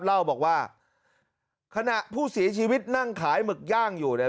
เล่าบอกว่าขณะผู้เสียชีวิตนั่งขายหมึกย่างอยู่เนี่ย